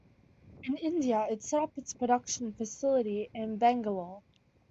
In India it set up its production facility in Bangalore.